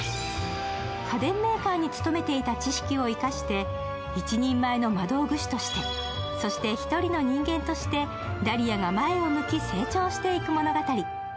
家電メーカーに勤めていた知識を生かして一人前の魔導具師として、そして１人の人間としてダリヤが前を向き、成長していく物語。